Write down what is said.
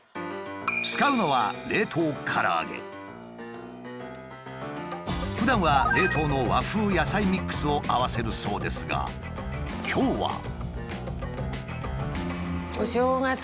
使うのはふだんは冷凍の和風野菜ミックスを合わせるそうですが今日は。